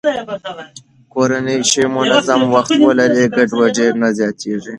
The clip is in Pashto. کورنۍ چې منظم وخت ولري، ګډوډي نه زياتېږي.